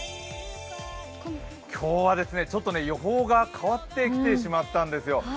今日はちょっと予報が変わってきてしまったんですよ。